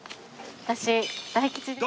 私大吉です。